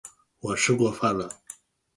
我吃过饭了